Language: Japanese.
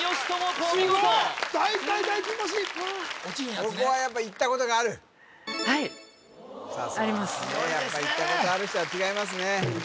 ここはやっぱはいやっぱ行ったことある人は違いますね